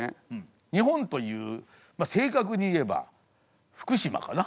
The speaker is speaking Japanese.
日本という正確に言えば福島かな。